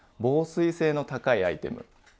防水性の高いアイテム